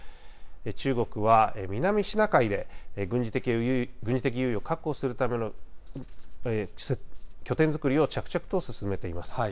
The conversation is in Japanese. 中国は南シナ海で軍事的優位を確保するための拠点作りを着々と進めています。